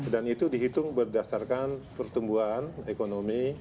dan itu dihitung berdasarkan pertumbuhan ekonomi